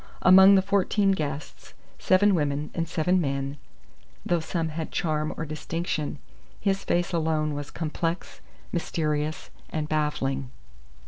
Among the fourteen guests seven women and seven men though some had charm or distinction, his face alone was complex, mysterious, and baffling.